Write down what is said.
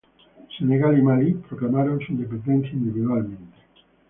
Senegal y Malí proclamaron su independencia individualmente.